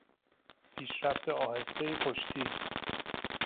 پیشرفت آهستهی کشتی